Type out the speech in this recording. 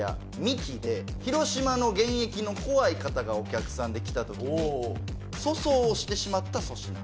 希で広島の現役の怖い方がお客さんで来た時に粗相をしてしまった粗品。